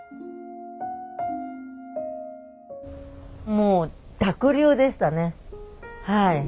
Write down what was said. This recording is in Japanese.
もう濁流でしたねはい。